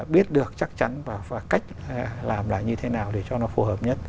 biết được chắc chắn và cách làm là như thế nào để cho nó phù hợp nhất